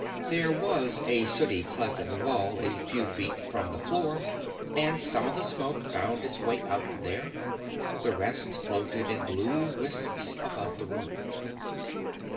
There was a sooty cleft in the wall a few feet from the floor, and some of the smoke found its way out there. The rest floated in blue wisps about the room.